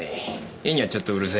絵にはちょっとうるさいよ。